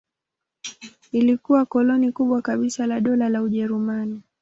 Ilikuwa koloni kubwa kabisa la Dola la Ujerumani.